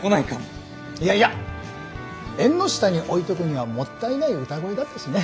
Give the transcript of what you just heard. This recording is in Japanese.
いやいや縁の下に置いとくにはもったいない歌声だったしね。